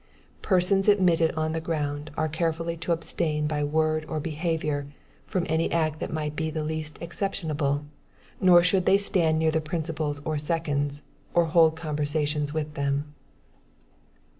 Persons admitted on the ground, are carefully to abstain by word or behavior, from any act that might be the least exceptionable; nor should they stand near the principals or seconds, or hold conversations with them.